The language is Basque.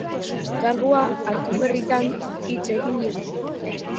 Kargua hartu berritan hitz egin digu.